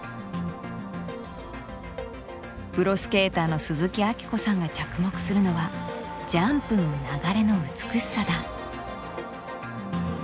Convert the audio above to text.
プロスケーターの鈴木明子さんが着目するのはジャンプの流れの美しさだ。